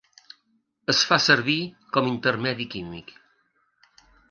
Es fa servir com intermedi químic.